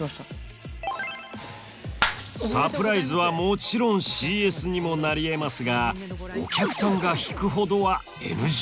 サプライズはもちろんＣＳにもなりえますがお客さんが引くほどはＮＧ。